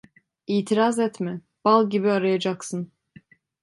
İtiraz etme, bal gibi arayacaksın.